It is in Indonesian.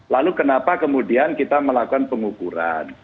lalu kenapa kemudian kita melakukan pengukuran